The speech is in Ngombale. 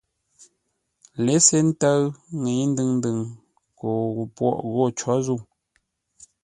Lěsé ńtə́ʉ ńŋə́i ndʉŋ-ndʉŋ ko gho pwôghʼ ghô cǒ zə̂u.